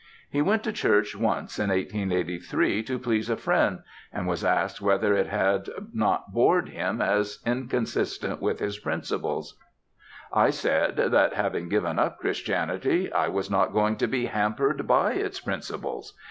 He went to church once in 1883 to please a friend and was asked whether it had not bored him as inconsistent with his principles. "I said that, having given up Christianity, I was not going to be hampered by its principles.